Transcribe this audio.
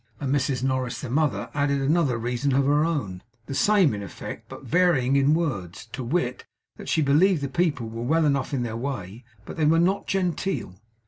Mrs Norris the mother added another reason of her own, the same in effect, but varying in words; to wit, that she believed the people were well enough in their way, but they were not genteel.